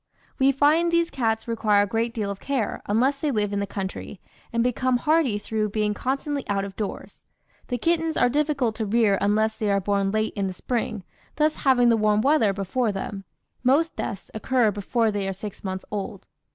"We find these cats require a great deal of care, unless they live in the country, and become hardy through being constantly out of doors. The kittens are difficult to rear unless they are born late in the spring, thus having the warm weather before them. Most deaths occur before they are six months old.